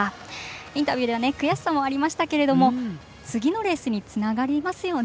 インタビューでは悔しさもありましたけれども次のレースにつながりますよね。